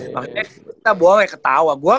makanya kita boleh ketawa